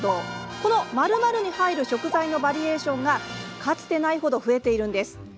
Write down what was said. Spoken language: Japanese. この○○に入る食材のバリエーションがかつてなく増えているんです。